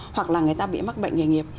hoặc là người ta bị mắc bệnh nghề nghiệp